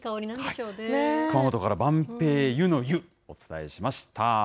熊本から晩白柚の湯、お伝えしました。